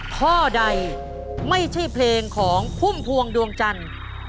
ข้อใดไม่ใช่เพลงของพุ่มพวงดวงจันทร์